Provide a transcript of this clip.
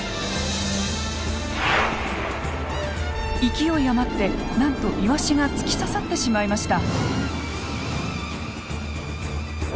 勢い余ってなんとイワシが突き刺さってしまいました。